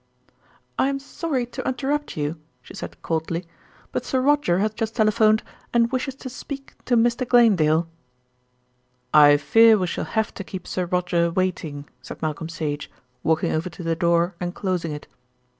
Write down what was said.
"I am sorry to interrupt you," she said coldly, "but Sir Roger has just telephoned and wishes to speak to Mr. Glanedale." "I fear we shall have to keep Sir Roger waiting," said Malcolm Sage, walking over to the door and closing it.